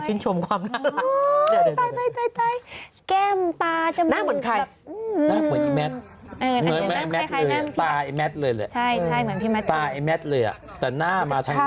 ใจเชิญชมความน่ารัก